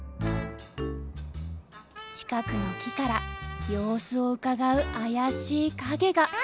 近くの木から様子をうかがう怪しい影が。